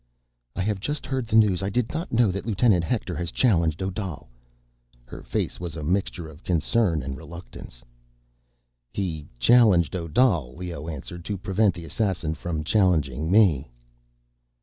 "I have just heard the news. I did not know that Lieutenant Hector has challenged Odal." Her face was a mixture of concern and reluctance. "He challenged Odal," Leoh answered, "to prevent the assassin from challenging me."